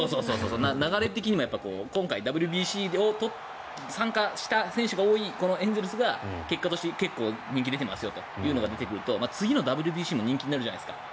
流れ的にも今回ＷＢＣに参加した選手が多いこのエンゼルスが結果として結構人気が出ていますよというのが出てくると次のＷＢＣも人気になるじゃないですか。